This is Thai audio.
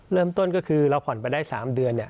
เริ่มต้นก็คือเราผ่อนไปได้๓เดือน